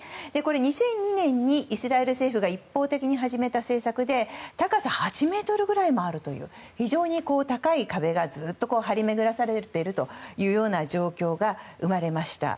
２００２年にイスラエル政府が一方的に始めた政策で高さ８ｍくらいもあるという非常に高い壁がずっと張り巡らされている状況が生まれました。